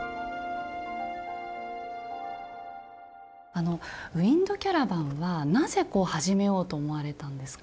あのウインドキャラバンはなぜこう始めようと思われたんですか？